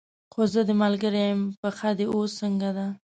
خو زه دې ملګرې یم، پښه دې اوس څنګه ده؟